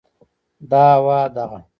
دا هوا، دغه